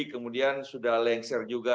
kemudian sudah lengser juga